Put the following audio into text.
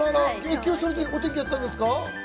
今日はそれでお天気やったんですか？